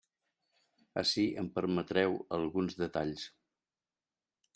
Ací em permetreu alguns detalls.